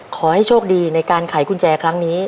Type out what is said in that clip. ขอให้โชคดีในการไขกุญแจครั้งนี้